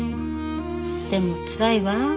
でもつらいわ。